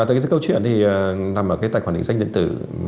từ cái câu chuyện thì nằm ở cái tài khoản định danh điện tử